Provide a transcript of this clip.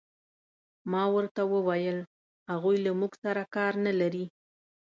ما ورته وویل: هغوی له موږ سره کار نه لري.